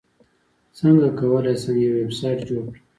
څنګه کولی شم یو ویبسایټ جوړ کړم